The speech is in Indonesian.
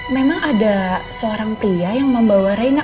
memang ada seorang pria yang membawa reina